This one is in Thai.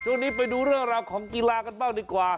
ช่วงนี้ไปดูเรื่องราวของกีฬากันบ้างดีกว่า